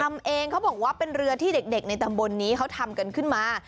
ทำเองเขาบอกว่าเป็นเรือที่เด็กในตำบลนี้เขาทำกันขึ้นมา